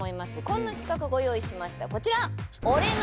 こんな企画ご用意しましたこちらおっ。